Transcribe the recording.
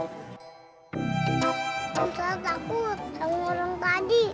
gak usah takut sama orang tadi